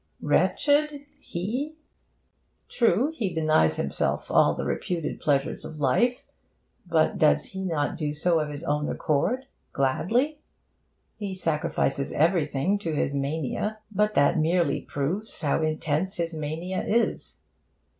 Wretched? He? True, he denies himself all the reputed pleasures of life; but does he not do so of his own accord, gladly? He sacrifices everything to his mania; but that merely proves how intense his mania is.